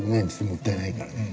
もったいないからね。